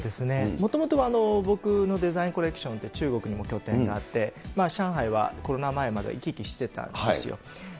もともとは僕のデザインコレクションって、中国にも拠点があって、上海はコロナ前までは行き来してたんですよ。